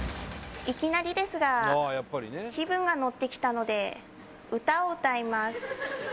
いきなりですが気分が乗ってきたので歌を歌います。